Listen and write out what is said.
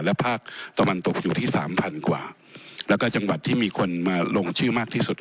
และภาคตะวันตกอยู่ที่สามพันกว่าแล้วก็จังหวัดที่มีคนมาลงชื่อมากที่สุด